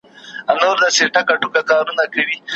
له یخنیه دي بې واکه دي لاسونه